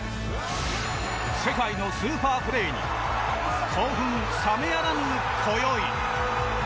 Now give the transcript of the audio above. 世界のスーパープレーに興奮冷めやらぬ、こよい。